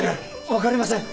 わかりません。